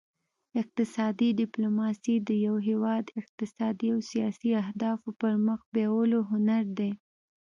اقتصادي ډیپلوماسي د یو هیواد اقتصادي او سیاسي اهدافو پرمخ بیولو هنر دی